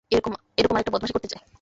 এরকম আরেকটা বদমাশি করতে চাই।